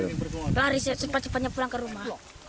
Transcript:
lari cepat cepatnya pulang ke rumah